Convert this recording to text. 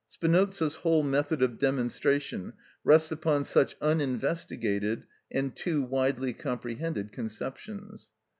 Spinoza's whole method of demonstration rests upon such uninvestigated and too widely comprehended conceptions.